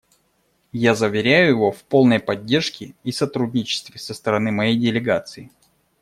Я заверяю его в полной поддержке и сотрудничестве со стороны моей делегации.